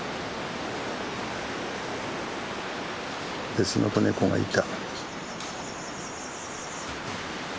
別の子ネコがいた。